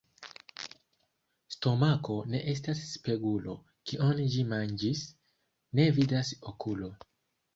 Stomako ne estas spegulo: kion ĝi manĝis, ne vidas okulo.